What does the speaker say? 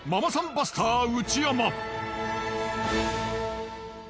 バスター内山。